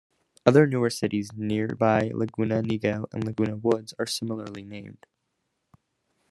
Other newer cities nearby-Laguna Niguel and Laguna Woods-are similarly named.